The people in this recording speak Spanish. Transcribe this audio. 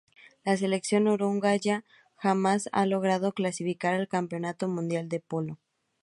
La selección uruguaya jamás ha logrado clasificar al Campeonato Mundial de Polo.